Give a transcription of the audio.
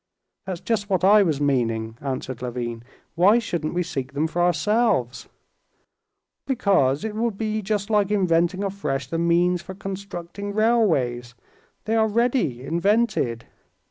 "That's just what I was meaning," answered Levin. "Why shouldn't we seek them for ourselves?" "Because it would be just like inventing afresh the means for constructing railways. They are ready, invented."